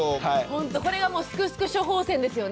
ほんとこれがもうすくすく処方箋ですよね。